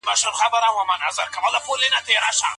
کاساني رحمه الله د نکاح د احکامو په اړه څه زياته کړې ده؟